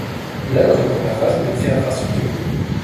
Il a, dans une première phase, modifié l'infrastructure.